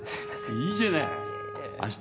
いいじゃない明日